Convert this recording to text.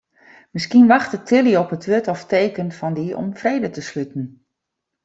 Miskien wachtet Tilly op in wurd of teken fan dy om frede te sluten.